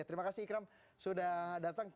terima kasih ikram sudah datang